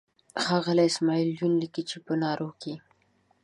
ښاغلی اسماعیل یون لیکي چې په نارو کې.